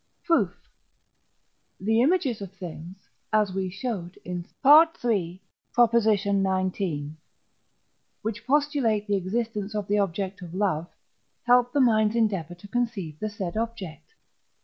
Proof. The images of things (as we showed in III. xix.) which postulate the existence of the object of love, help the mind's endeavour to conceive the said object.